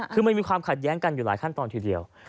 คือมันมีความขัดแย้งกันอยู่หลายขั้นตอนทีเดียว